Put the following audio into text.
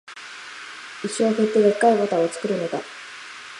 牛を振って、デッカいバターを作るのだ